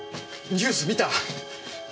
ニュース見た？